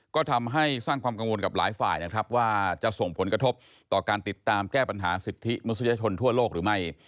ก็ทำให้สร้างความกังวลกับหลายฝ่ายนะครับว่าจะส่งผลกระทบต่อการติดตามแก้ปัญหาสิทธิมนุษยชนทั่วโลกหรือไม่